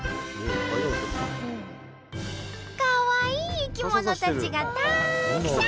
かわいい生き物たちがたくさん！